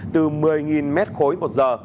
từ một mươi mét khối một giờ